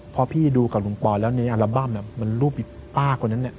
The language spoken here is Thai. พอพี่ดูกับหลวงป่อนแล้วในอัลบั้มมันรูปอีกป้าคนนั้น